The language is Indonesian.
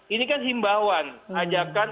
ini kan himbauan ajakkan